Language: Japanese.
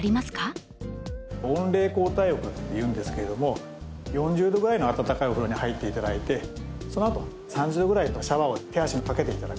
温冷交代浴っていうんですけれども４０度ぐらいの温かいお風呂に入って頂いてそのあと３０度ぐらいのシャワーを手足にかけて頂く。